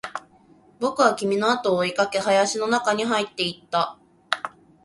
僕は君のあとを追いかけ、林の中に入っていった